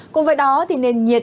cùng với đó thì nền nhiệt